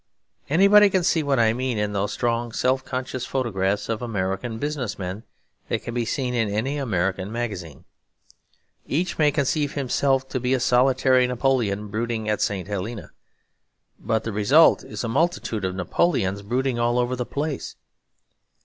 Anybody can see what I mean in those strong self conscious photographs of American business men that can be seen in any American magazine. Each may conceive himself to be a solitary Napoleon brooding at St. Helena; but the result is a multitude of Napoleons brooding all over the place.